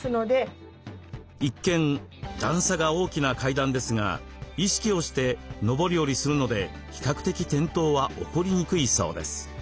一見段差が大きな階段ですが意識をして上り下りするので比較的転倒は起こりにくいそうです。